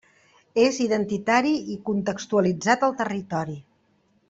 És identitari i contextualitzat al territori.